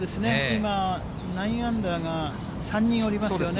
今、９アンダーが３人おりますよね。